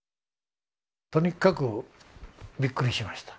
とにかくびっくりしました。